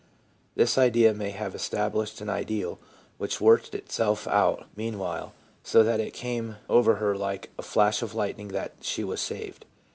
This act may have estab lished an ideal which worked itself out meanwhile, so that it came over her * like a flash of lightning that she was saved.'